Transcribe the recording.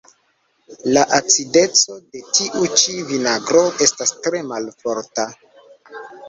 La acideco de tiu ĉi vinagro estas tre malforta.